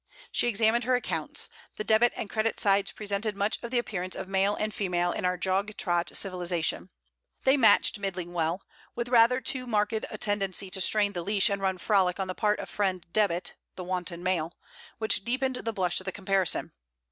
She examined her accounts. The Debit and Credit sides presented much of the appearance of male and female in our jog trot civilization. They matched middling well; with rather too marked a tendency to strain the leash and run frolic on the part of friend Debit (the wanton male), which deepened the blush of the comparison.